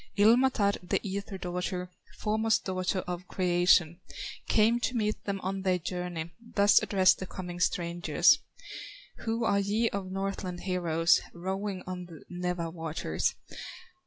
Ilmatar, the ether daughter, Foremost daughter of creation, Came to meet them on their journey, Thus addressed the coming strangers: "Who are ye of Northland heroes, Rowing on the Nawa waters?"